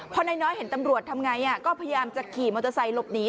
พอนายน้อยเห็นตำรวจทำไงก็พยายามจะขี่มอเตอร์ไซค์หลบหนี